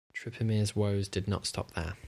Trpimir's woes did not stop there.